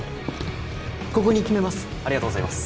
ここに決めます